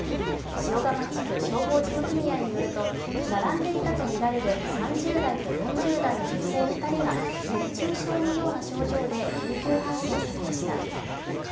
塩釜地区消防事務組合によると並んでいたとみられる３０代と４０代の女性２人が熱中症のような症状で救急搬送されました。